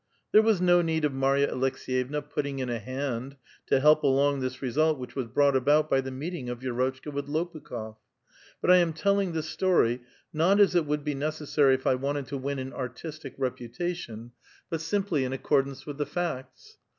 There was no need of Marya Aleks^yevna putting in a hand to help along this result which was brought about by the meeting of Vi^rotehka with Lopu kh6f. But I am telling this story, not as it would be neces sary if I wanted to win an artistic reputation, but simply in A VITAL QUESTION. 91 accordance with the facts.